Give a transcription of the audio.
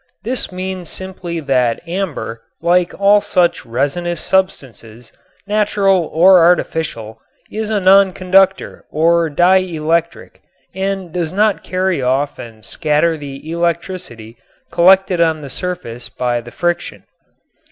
This means simply that amber, like all such resinous substances, natural or artificial, is a non conductor or di electric and does not carry off and scatter the electricity collected on the surface by the friction.